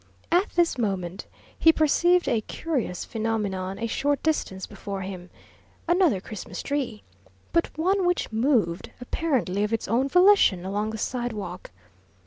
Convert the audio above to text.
At this moment he perceived a curious phenomenon a short distance before him another Christmas tree, but one which moved, apparently of its own volition, along the sidewalk.